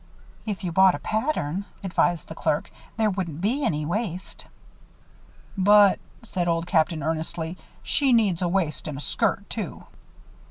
"If you bought a pattern," advised the clerk, "there wouldn't be any waste." "But," said Old Captain, earnestly, "she needs a waist and a skirt, too."